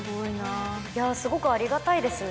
いやすごくありがたいですね